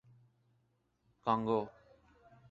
Congo